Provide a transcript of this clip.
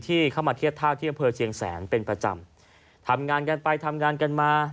เข้ามาเทียบท่าที่อำเภอเชียงแสนเป็นประจำทำงานกันไปทำงานกันมา